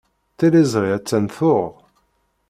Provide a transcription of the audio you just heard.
Tiliẓri attan tuɣ.